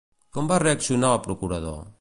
Com va reaccionar el procurador?